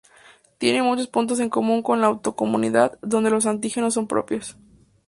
Tiene muchos puntos en común con la autoinmunidad, donde los antígenos son propios.